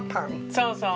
そうそう。